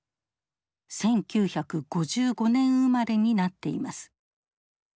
１９５５年生まれになっています。